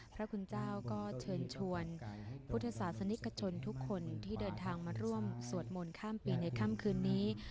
พระคุณเจ้าก็เชิญชวนพุทธศาสนิกชนทุกคนที่เดินทางมาร่วมสวดมนต์ข้ามปีในค่ำคืนนี้